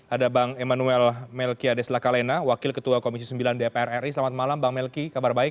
ada bang emmanuel melkiades lakalena wakil ketua komisi sembilan dpr ri selamat malam bang melki kabar baik